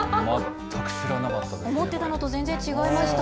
思ってたのと全然違いました。